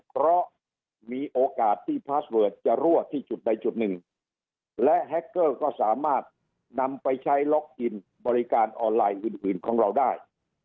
เพราะมีโอกาสที่พาสเวิร์ดจะรั่วที่จุดใดจุดหนึ่งและแฮคเกอร์ก็สามารถนำไปใช้ล็อกอินบริการออนไลน์อื่นของเราได้